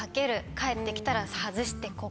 帰って来たら外してここ。